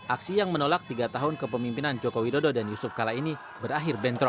aksi yang menolak tiga tahun kepemimpinan jokowi dodo dan yusuf kala ini berakhir bentrok